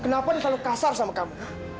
kenapa dia terlalu kasar sama kamu